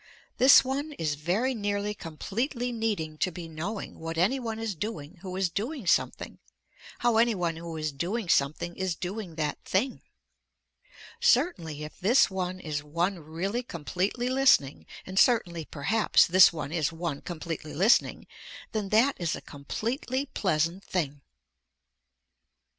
This one is very nearly completely needing to be knowing what any one is doing who is doing something, how any one who is doing something is doing that thing. Certainly if this one is one really completely listening and certainly perhaps this one is one completely listening then that is a completely pleasant thing.